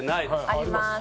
あります。